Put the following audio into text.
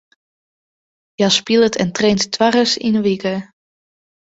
Hja spilet en traint twaris yn de wike.